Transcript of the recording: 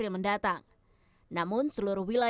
mungkin besok lah